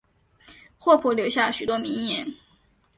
霍普留下许多名言。